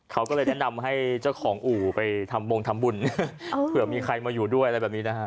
เขาก็เลยแนะนำให้เจ้าของอู่ไปทำบงทำบุญเผื่อมีใครมาอยู่ด้วยอะไรแบบนี้นะฮะ